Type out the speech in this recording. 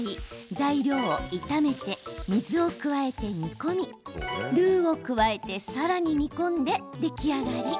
材料を炒めて、水を加えて煮込みルーを加えて、さらに煮込んで出来上がり。